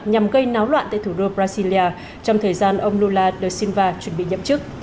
nhằm gây náo loạn tại thủ đô brasilia trong thời gian ông lula da silva chuẩn bị nhậm chức